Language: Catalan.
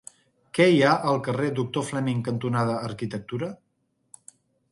Què hi ha al carrer Doctor Fleming cantonada Arquitectura?